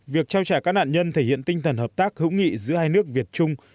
việc trao trả các nạn nhân thể hiện tinh thần hợp tác hữu nghị giữa hai nước việt trung